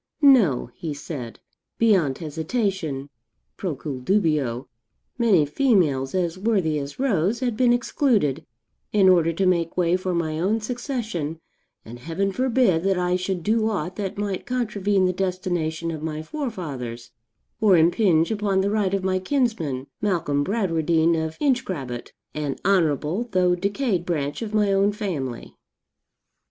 'No,' he said, 'beyond hesitation, procul dubio, many females, as worthy as Rose, had been excluded, in order to make way for my own succession, and Heaven forbid that I should do aught that might contravene the destination of my forefathers, or impinge upon the right of my kinsman, Malcolm Bradwardine of Inchgrabbit, an honourable, though decayed branch of my own family.'